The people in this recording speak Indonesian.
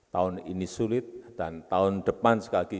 tahun ini sulit dan tahun depan sekali lagi